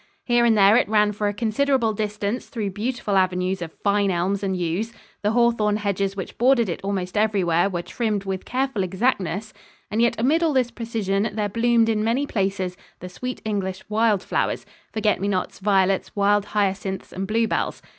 Here and there it ran for a considerable distance through beautiful avenues of fine elms and yews; the hawthorne hedges which bordered it almost everywhere were trimmed with careful exactness; and yet amid all this precision there bloomed in many places the sweet English wild flowers forget me nots, violets, wild hyacinths and bluebells.